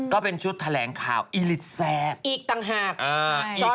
ก็เป็นชุดแถลงข่าวอีลิตแซ่บอีกต่างหาก